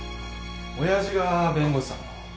親父が弁護士さんを。